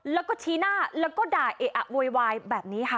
แล้วก็ชี้หน้าแล้วก็ด่าเอะอะโวยวายแบบนี้ค่ะ